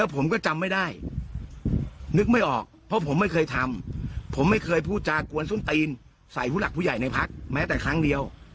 ผมไม่เคยพูดจากกวนส้นตีนใส่ผู้หลักผู้ใหญ่ในพักแม้แต่ครั้งเดียว